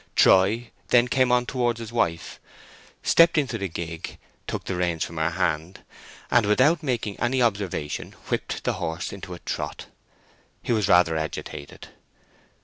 Troy then came on towards his wife, stepped into the gig, took the reins from her hand, and without making any observation whipped the horse into a trot. He was rather agitated.